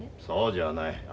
そうじゃない。